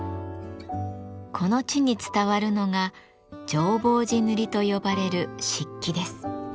この地に伝わるのが浄法寺塗と呼ばれる漆器です。